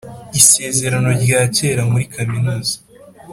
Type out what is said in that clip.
isezerano rya kera muri kaminuza